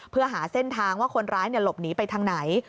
เพื่อหาเส้นทางว่าคนร้ายหลบหนีไปทางไหน